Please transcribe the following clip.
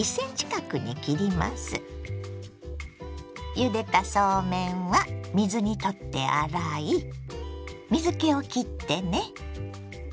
ゆでたそうめんは水にとって洗い水けをきってね。